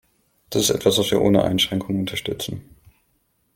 Das ist etwas, was wir ohne Einschränkung unterstützen.